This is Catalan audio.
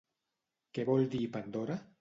Què vol dir Pandora?